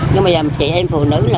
nhưng mà chị em phụ nữ